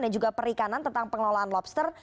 dan juga perikanan tentang pengelolaan lobster